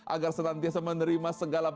agar senantiasa menerima segala